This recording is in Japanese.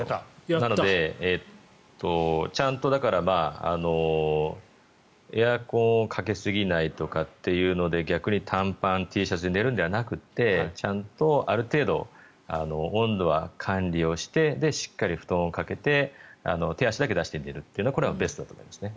なので、ちゃんとエアコンをかけすぎないとかというので逆に短パン、Ｔシャツで寝るのではなくてちゃんとある程度、温度は管理してしっかり布団をかけて手足だけ出して寝るというのがこれはベストだと思いますね。